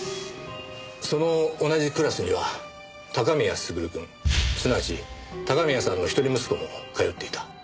その同じクラスには高宮優くんすなわち高宮さんの一人息子も通っていた。